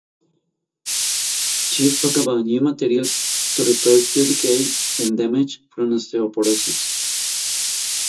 She spoke about new materials to repair tooth decay and damage from osteoporosis.